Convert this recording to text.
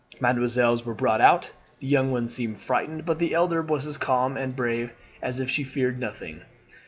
Mesdemoiselles were brought out. The young one seemed frightened, but the elder was as calm and brave as if she feared nothing.